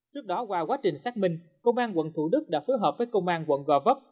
trước đó qua quá trình xác minh công an quận thủ đức đã phối hợp với công an quận gò vấp